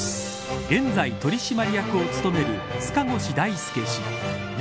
現在取締役を務める塚越大介氏。